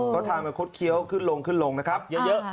เขาทางมาคดเคี้ยวขึ้นลงนะครับเยอะ